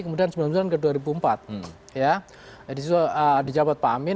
kemudian sembilan puluh sembilan ke dua ribu empat ya jadi di jabat pak amin